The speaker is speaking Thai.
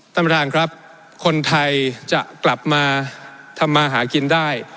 ต่ำทางครับคนไทยจะกลับมาทำมาหากินได้